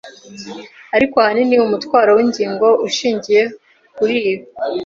Ariko ahanini umutwaro w'ingingo ushingiye kuri ibi